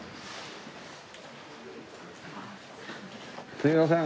すいません。